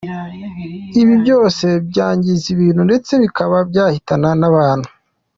Ibi byose byangiza ibintu ndetse bikaba byahitana n’abantu".